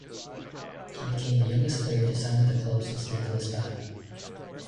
He became the youngest player to sign with the club since Nicolas Batum.